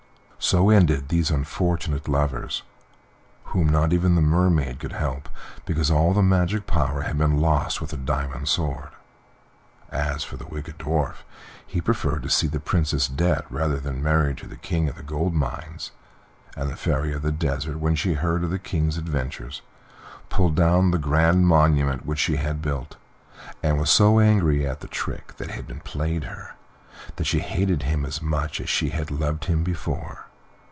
So ended these unfortunate lovers, whom not even the Mermaid could help, because all the magic power had been lost with the diamond sword. As to the wicked Dwarf, he preferred to see the Princess dead rather than married to the King of the Gold Mines; and the Fairy of the Desert, when she heard of the King's adventures, pulled down the grand monument which she had built, and was so angry at the trick that had been played her that she hated him as much as she had loved him before.